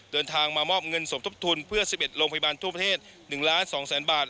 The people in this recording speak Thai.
เดินทางมามอบเงินสมทบทุนเพื่อ๑๑โรงพยาบาลทั่วประเทศ๑ล้าน๒แสนบาท